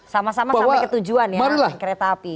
sama sama sampai ke tujuan ya kereta api